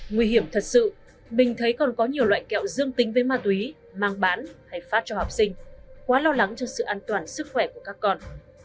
nguy hiểm thật sự mình thấy còn có nhiều loại kẹo dương tính với ma túy mang bán hay phát cho học sinh quá lo lắng cho sự an toàn sức khỏe của các con